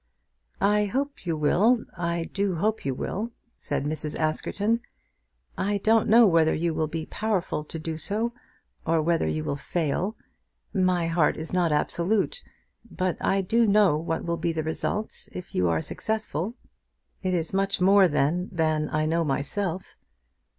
"I hope you will; I do hope you will," said Mrs. Askerton. "I don't know whether you will be powerful to do so, or whether you will fail; my heart is not absolute; but I do know what will be the result if you are successful." "It is much more then than I know myself."